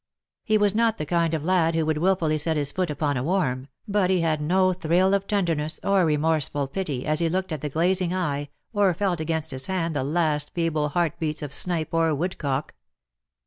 He was not the kind of lad who would wilfully set his foot upon a worm, but he had no thrill of tenderness or remorseful pity as he looked at the glazing eye, or felt against his hand the last feeble heart beats of snipe or woodcock.